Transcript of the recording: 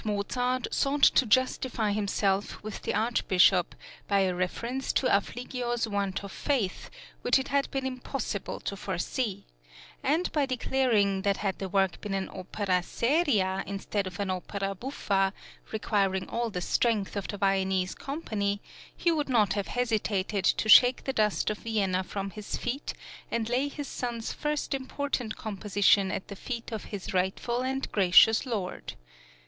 Mozart sought to justify himself with the Archbishop by a reference to Affligio's want of faith, which it had been impossible to foresee; and by declaring that had the work been an opera seria instead of an opera buffa, requiring all the strength of the Viennese company, he would not have hesitated to shake the dust of Vienna from his feet, and lay his son's first important composition at the feet of his rightful and gracious lord.